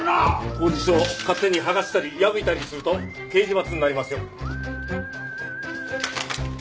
公示書を勝手に剥がしたり破いたりすると刑事罰になりますよ。